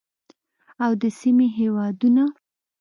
او د سیمې هیوادونه